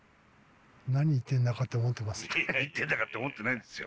何言ってんだかって思ってますよ。